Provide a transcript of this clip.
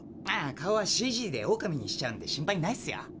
顔はＣＧでオオカミにしちゃうんで心配ないっすよ。